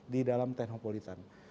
di dalam teknopolitan